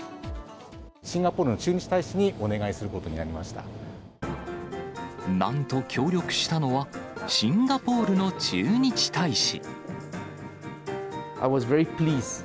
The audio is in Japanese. シンガポールの駐日大使におなんと協力したのは、シンガポールの駐日大使。